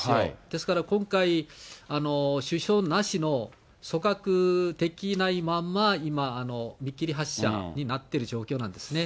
ですから今回、首相なしの組閣できないまんま、今、見切り発車になってる状況なんですね。